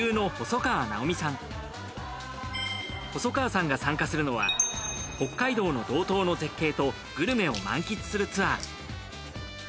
細川さんが参加するのは北海道の道東の絶景とグルメを満喫するツアー。